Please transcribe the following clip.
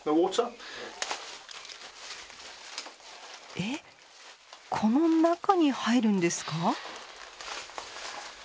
えっこの中に入るんですか？